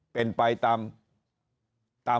เป็นไปตาม